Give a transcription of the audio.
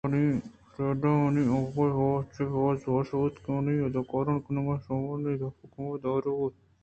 فریڈا منی آہگءَ چہ باز وش بوت کہ منی اَدا کار کنگ ءَ اے شومانی دپ کمو دارگ بوت